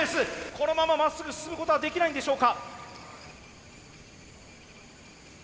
このまままっすぐ進むことはできないんでしょうか？